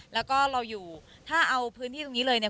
แล้วก็เราอยู่ถ้าเอาพื้นที่ตรงนี้เลยเนี่ย